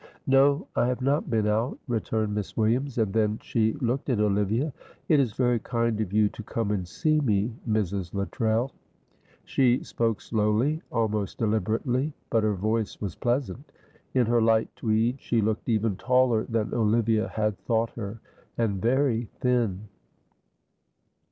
"No, I have not been out," returned Miss Williams, and then she looked at Olivia. "It is very kind of you to come and see me Mrs. Luttrell." She spoke slowly, almost deliberately, but her voice was pleasant. In her light tweed, she looked even taller than Olivia had thought her, and very thin.